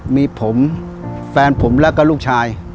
มีผมแฟนผมแล้วก็ลูกชาย